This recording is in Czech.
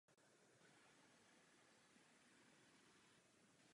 K léčebným účelům se již nepoužívá.